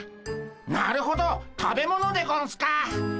なるほど食べ物でゴンスか。